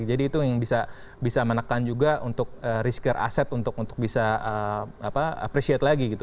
jadi itu yang bisa menekan juga untuk riskier asset untuk bisa appreciate lagi gitu